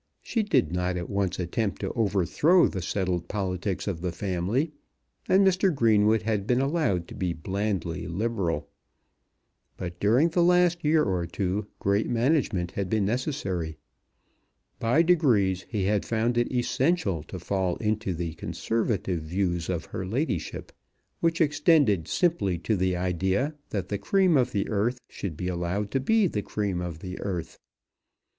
She did not at once attempt to overthrow the settled politics of the family, and Mr. Greenwood had been allowed to be blandly liberal. But during the last year or two, great management had been necessary. By degrees he had found it essential to fall into the conservative views of her ladyship, which extended simply to the idea that the cream of the earth should be allowed to be the cream of the earth.